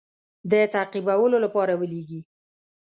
د تعقیبولو لپاره ولېږي.